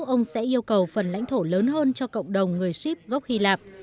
ông sẽ yêu cầu phần lãnh thổ lớn hơn cho cộng đồng người ship gốc hy lạp